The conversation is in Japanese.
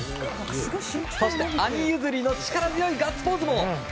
そして兄譲りの力強いガッツポーズも。